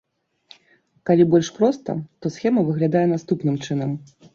Калі больш проста, то схема выглядае наступным чынам.